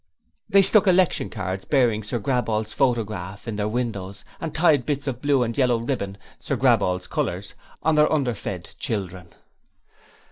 They stuck election cards bearing Sir Graball's photograph in their windows and tied bits of blue and yellow ribbon Sir Graball's colours on their underfed children.